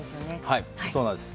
はい、そうなんです。